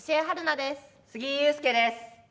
杉井勇介です。